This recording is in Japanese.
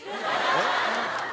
えっ？